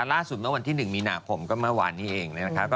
อัตราลักษณะวันที่๑มีนาคมก็เมื่อวานนี้เองนะคะ